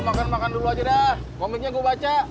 makan makan dulu aja dah komiknya gue baca